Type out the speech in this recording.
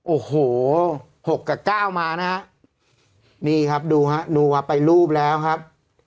โอ้โหหกกับเก้ามานะฮะนี่ครับดูฮะนัวไปรูปแล้วครับ